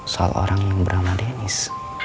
soal orang yang beramah denis